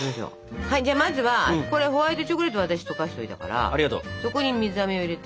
じゃあまずはホワイトチョコレートを私溶かしといたからそこに水あめを入れて。